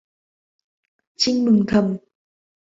Trinh mừng thầm